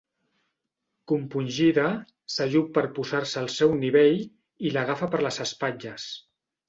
Compungida, s'ajup per posar-se al seu nivell i l'agafa per les espatlles.